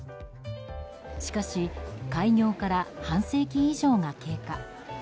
しかし開業から半世紀以上が経過。